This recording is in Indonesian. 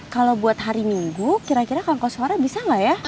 kalau buat hari minggu kira kira kang koswara bisa gak ya